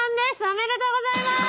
おめでとうございます！